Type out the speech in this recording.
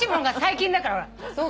そう。